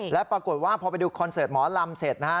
และปรากฏว่าพอไปดูคอนเสิร์ตหมอลำเสร็จนะฮะ